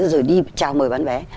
rồi đi chào mời bán vé